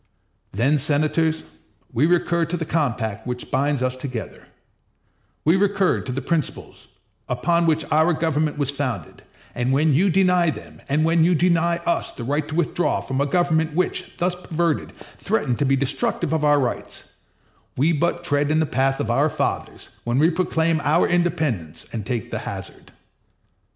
Then, senators, we recur to the compact which binds us together; we recur to the principles upon which our government was founded; and when you deny them, and when you deny to us the right to withdraw from a government which, thus perverted, threatens to be destructive of our rights, we but tread in the path of our fathers when we proclaim our independence, and take the hazard.